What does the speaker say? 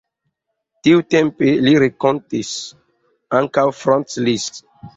Tiutempe li renkontis ankaŭ Franz Liszt.